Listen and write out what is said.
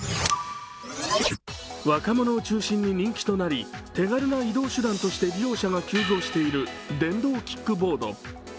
若者を中心に人気となり、手軽な移動手段として利用者が急増している電動キックボード。